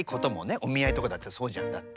お見合いとかだってそうじゃんだって。